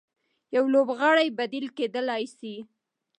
يو لوبغاړی بديل کېدلای سي.